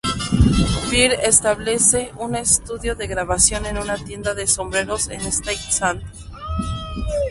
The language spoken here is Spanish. Peer establece un estudio de grabación en una tienda de sombreros en State St.